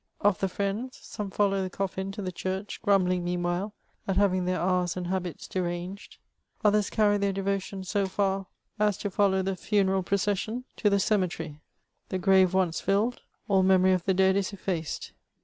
Or the friends, some follow the coffin to the church, grumbling meanwhile at having their hours and habits deranged ; others carry their devotion so far as to follow the funend procession to the cemetery ; the grave once filled, all memory of the dead is effaced.